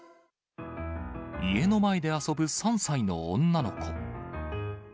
家の前で遊ぶ３歳の女の子。